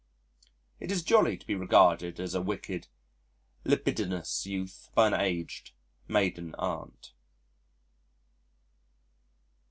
It is jolly to be regarded as a wicked, libidinous youth by an aged maiden Aunt.